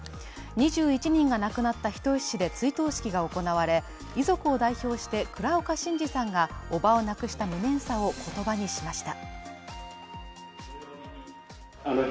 ２１人が亡くなった人吉市で追悼式が行われ、遺族を代表して、倉岡伸至さんがおばを亡くした無念さを言葉にしました。